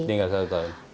tinggal satu tahun